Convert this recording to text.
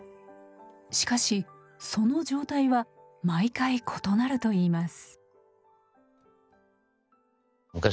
しかしその状態は毎回異なると言います。